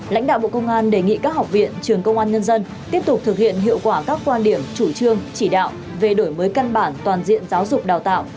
lãnh đạo bộ công an đề nghị các học viện trường công an nhân dân tiếp tục thực hiện hiệu quả các quan điểm chủ trương chỉ đạo về đổi mới căn bản toàn diện giáo dục đào tạo